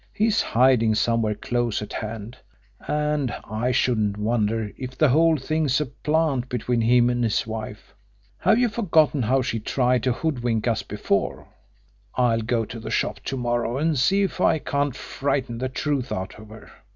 He's hiding somewhere close at hand, and I shouldn't wonder if the whole thing's a plant between him and his wife. Have you forgotten how she tried to hoodwink us before? I'll go to the shop to morrow and see if I can't frighten the truth out of her.